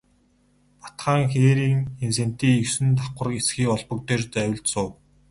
Бат хаан хээрийн сэнтий есөн давхар эсгий олбог дээр завилж суув.